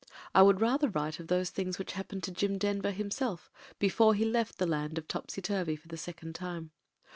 I would rather write of those things which happened to Jim Denver himself, before he left the Land of Topsy Turvy for the sec ond time.